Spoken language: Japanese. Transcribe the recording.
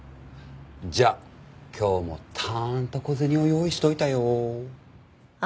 じゃあ今日もたーんと小銭を用意しておいたよ。